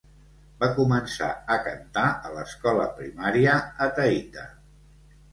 Va començar a cantar a l'escola primària a Taita.